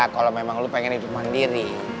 kalo memang lo pengen hidup mandiri